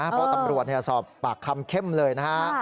เพราะตำรวจสอบปากคำเข้มเลยนะฮะ